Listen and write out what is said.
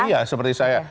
iya seperti saya